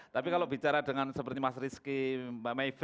tapi kalau bicara dengan seperti mas rizky pak meyvi